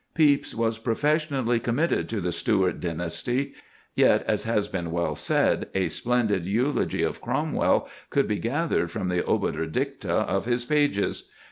Pepys was professionally committed to the Stuart dynasty; yet, as has been well said, a splendid eulogy of Cromwell could be gathered from the obiter dicta of his pages.